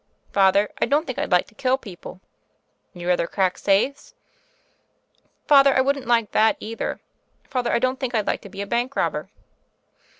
"Father, I don't think I'd like to kill people." "You'd rather crack safes?" "Father, I wouldn't like that either. Father, I don't think I'd like to be a bank robber."